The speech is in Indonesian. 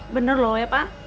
bener loh ya pak